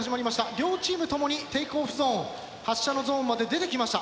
両チーム共にテイクオフゾーン発射のゾーンまで出てきました。